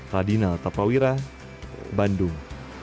radinal taprawira bandung